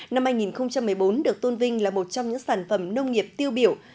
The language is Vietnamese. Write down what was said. năm hai nghìn một mươi bốn được tôn vinh là một trong những sản phẩm nông nghiệp tiêu biểu